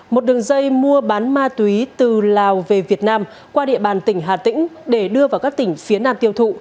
một đường dây mua bán ma túy từ lào về việt nam qua địa bàn tỉnh hà tĩnh để đưa vào các tỉnh phía nam tiêu thụ